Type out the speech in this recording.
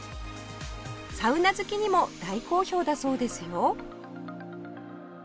サウナ好きにも大好評だそうですよ